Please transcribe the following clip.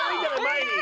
前に。